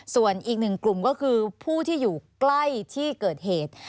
ส่วนอีกหนึ่งกลุ่มก็คือผู้ที่อยู่ใกล้ที่เกิดเหตุ